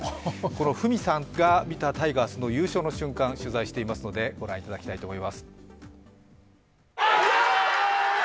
このフミさんが見た優勝の瞬間取材していますのでご覧いただきたいと思います。